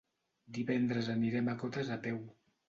Divendres anirem a Cotes a peu.